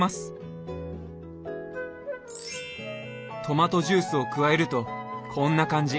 トマトジュースを加えるとこんな感じ。